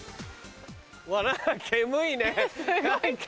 煙いね。